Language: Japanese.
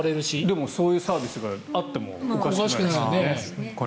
でもそういうサービスがあってもおかしくないですね。